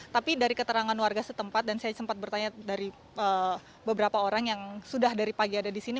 tapi dari keterangan warga setempat dan saya sempat bertanya dari beberapa orang yang sudah dari pagi ada di sini